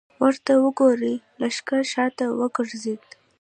ورته وګورئ! لښکر شاته وګرځېد.